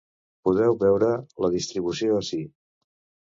Podeu veure la distribució ací.